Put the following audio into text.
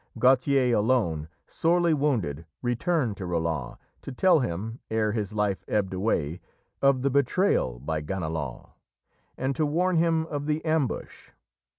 Gautier alone, sorely wounded, returned to Roland, to tell him, ere his life ebbed away, of the betrayal by Ganelon, and to warn him of the ambush.